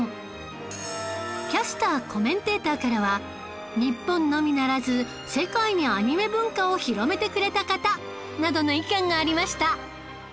キャスターコメンテーターからは日本のみならず世界にアニメ文化を広めてくれた方などの意見がありました